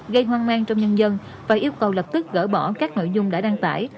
gây hoang mang trong nhân dân và yêu cầu lập tức gỡ bỏ các nội dung đã đăng tải